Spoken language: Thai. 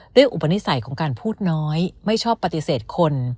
อุปนิสัยของการพูดน้อยไม่ชอบปฏิเสธคน